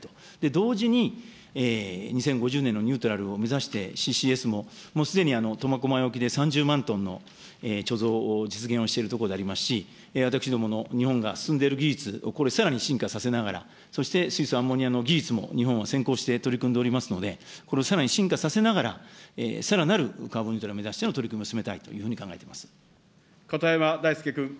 同時に、２０５０年のニュートラルを目指して、ＣＣＳももうすでに苫小牧沖で３０万トンの貯蔵を実現しているところでありますし、私どもの日本が進んでいる技術を、これをさらに進化させながらそして、水素、アンモニアの技術も日本は先行して取り組んでおりますので、これをさらに進化させながら、さらなるカーボンニュートラルを目指しての取り組みを進めたいと片山大介君。